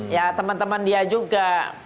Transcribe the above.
ya teman teman dia juga